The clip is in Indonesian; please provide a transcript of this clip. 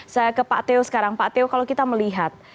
saya ke pak teo sekarang pak teo kalau kita melihat